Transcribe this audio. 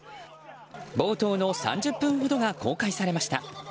冒頭の３０分ほどが公開されました。